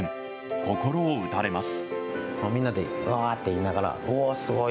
心を打たれます。